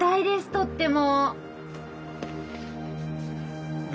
とっても。